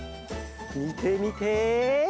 みてみて！